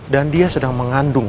dan dia sedang mengandung no